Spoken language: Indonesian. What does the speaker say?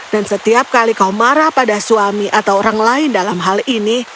dan setiap kali kau marah pada suami atau orang lain dalam hal ini